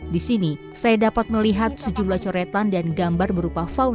di sini saya dapat melihat sejumlah coretan dan gambar berupa faldo